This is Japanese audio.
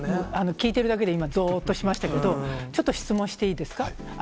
聞いているだけで、今、ぞーっとしましたけど、ちょっと質問していいですか。